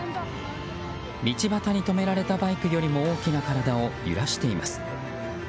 道端に止められたバイクよりも大きな体を揺らしています。